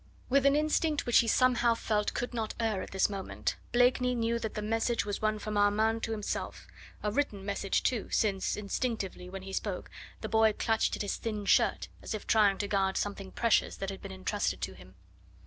With an instinct which he somehow felt could not err at this moment, Blakeney knew that the message was one from Armand to himself; a written message, too, since instinctively when he spoke the boy clutched at his thin shirt, as if trying to guard something precious that had been entrusted to him.